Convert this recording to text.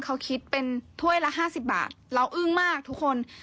เขาคิดเป็นถ้วยละ๕๐บาทเราอึ้งมากทุกคน